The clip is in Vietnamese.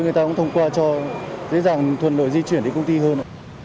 người ta cũng thông qua cho dễ dàng thuận lợi di chuyển đến công ty hơn ạ